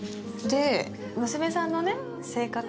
で娘さんのね性格。